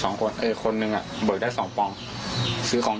แต่คนหนึ่งได้๒คูปอง